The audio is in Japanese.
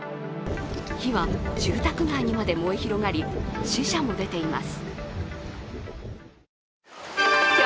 火は住宅街まで燃え広がり死者も出ています。